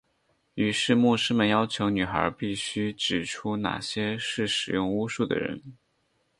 于是牧师们要求女孩必须指出哪些是使用巫术的人。